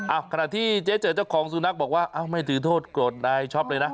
ขณะที่เจ๊เจอเจ้าของสุนัขบอกว่าอ้าวไม่ถือโทษโกรธนายช็อปเลยนะ